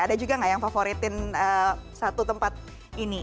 ada juga nggak yang favoritin satu tempat ini